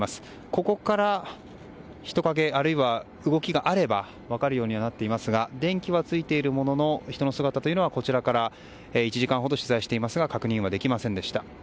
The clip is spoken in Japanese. ここから人影あるいは動きがあれば分かるようにはなっていますが電気はついているものの人の姿はこちらから１時間ほど取材していますが確認はできませんでした。